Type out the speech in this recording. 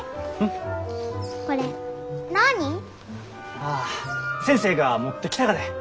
あ先生が持ってきたがで。